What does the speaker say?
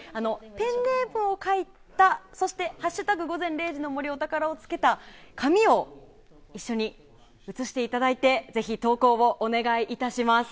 ペンネームを書いたそして「＃午前０時の森お宝」をつけた紙を一緒に写していただいてぜひ投稿をお願いいたします。